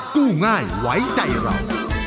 กู้ง่ายไว้ใจเรา